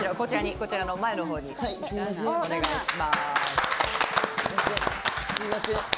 こちらの前の方にお願いします。